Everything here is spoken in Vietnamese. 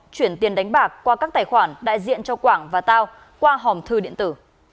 chuyển tiền đánh bạc qua các tài khoản đại diện cho quảng và tao qua hòm thư điện tử